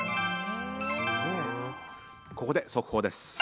ここで速報です。